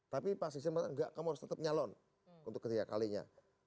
tapi pak sekjen bilang enggak kamu harus tetap nyalon untuk ketiga kalinya